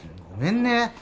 ごめんね。